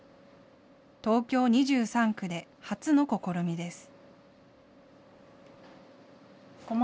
東京２３区で初の試みです。